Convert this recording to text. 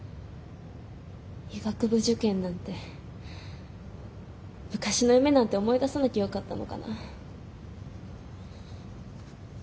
医学部受験なんて昔の夢なんて思い出さなきゃよかったのかな。